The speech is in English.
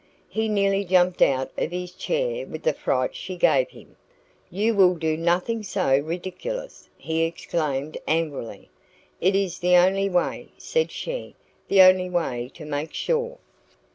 He nearly jumped out of his chair with the fright she gave him. "You will do nothing so ridiculous!" he exclaimed angrily. "It is the only way," said she "the only way to make sure."